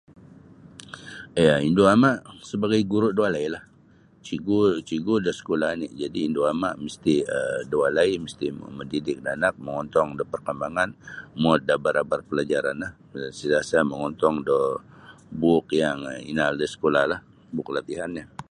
Iya indu ama sabagai guru da walailah cigu cigu da skula oni jadi indu ama mesti um da walai mesti mamadidik da anak mongontong da parkambangan muot da abar-abar palajaran rono sentiasa mangontong da book yang inaal da skula lah buku latihanyo.